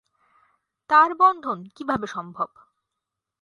তাঁর বন্ধন কিভাবে সম্ভব?